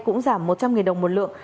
cũng giảm một trăm linh đồng một lượng